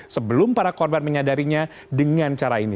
sebelum para korban menyadarinya dengan cara ini